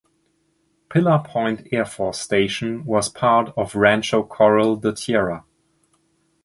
Pillar Point Air Force Station was part of Rancho Corral de Tierra.